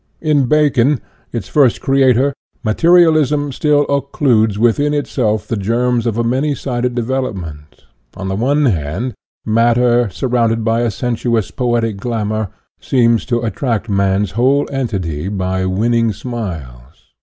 " In Bacon, its first creator, materialism still occludes within itself the germs of a many sided development. On the one hand, matter, sur rounded by a sensuous, poetic glamour, seems to attract man's whole entity by winning smiles.